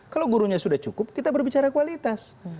kalau gurunya sudah cukup kita berbicara kualitas